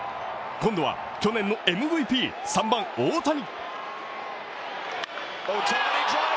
今度は去年のＭＶＰ、３番・大谷。